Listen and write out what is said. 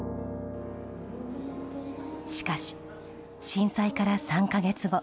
しかし、震災から３か月後。